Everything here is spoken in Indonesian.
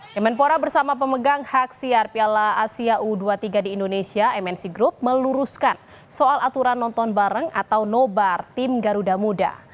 kemenpora bersama pemegang hak siar piala asia u dua puluh tiga di indonesia mnc group meluruskan soal aturan nonton bareng atau nobar tim garuda muda